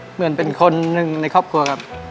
เหมือนเป็นคนหนึ่งในครอบครัวครับ